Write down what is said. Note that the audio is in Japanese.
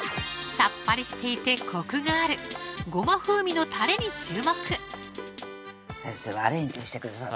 さっぱりしていてコクがあるごま風味のたれに注目先生はアレンジしてくださってます